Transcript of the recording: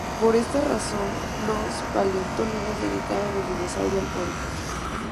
Por esta razón, los paleontólogos dedicaron el dinosaurio al pueblo.